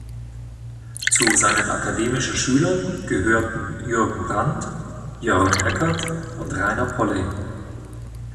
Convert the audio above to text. Zu seinen akademischen Schülern gehörten Jürgen Brand, Jörn Eckert und Rainer Polley.